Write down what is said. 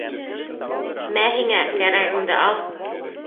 Мә һиңә, кәрәгенде ал!